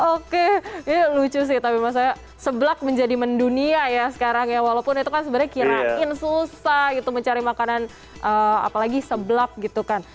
oke lucu sih tapi maksudnya seblak menjadi mendunia ya sekarang ya walaupun itu kan sebenarnya susah gitu mencari makanan apalagi seblak gitu kan